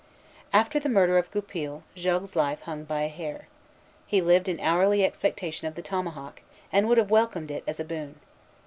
After the murder of Goupil, Jogues's life hung by a hair. He lived in hourly expectation of the tomahawk, and would have welcomed it as a boon.